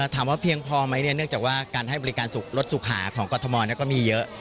เพียงพอไหมเนื่องจากว่าการให้บริการรถสุขาของกรทมก็มีเยอะ